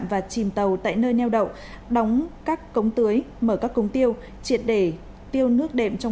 và tiếp theo sẽ là những thông tin về truy nã thuộc phạm